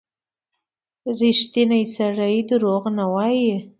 • ریښتینی سړی دروغ نه وايي.